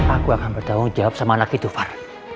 aku akan bertanggung jawab sama anak itu var